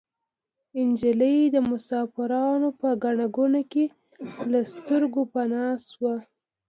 نجلۍ د مسافرانو په ګڼه ګوڼه کې له سترګو پناه شوه.